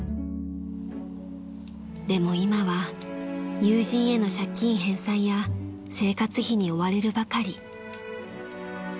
［でも今は友人への借金返済や生活費に追われるばかり］